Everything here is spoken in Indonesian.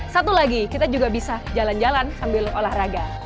satu lagi kita juga bisa jalan jalan sambil olahraga